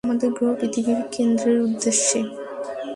আমাদের গ্রহ পৃথিবীর কেন্দ্রের উদ্দেশ্যে।